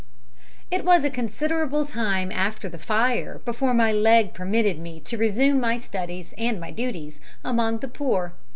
It was a considerable time after the fire before my leg permitted me to resume my studies and my duties among the poor.